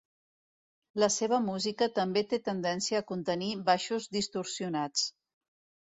La seva música també té tendència a contenir baixos distorsionats.